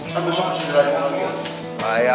sampai besok bisa berjalan lagi ya